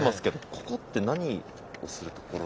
ここって何をするところなんですか？